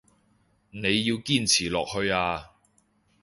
你要堅持落去啊